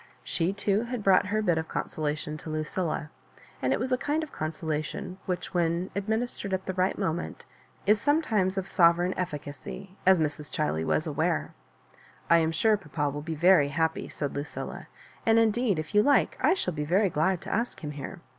She too had brought her bit of consolation to Lucilla; and it was a kind of consolation whicTi, when administered at the right moment, is sometimes of sovereign efficacy, as Mra ChUey was aware. "I am sure papa will be very happy," said Lucilla; "and indeed, if you like, I shall be very glad to ask him here.